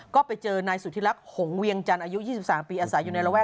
ก็ไปเจอนายสุธิรักษ์หงเวียงจันทร์อายุ๒๓ปีอาศัยอยู่ในระแวก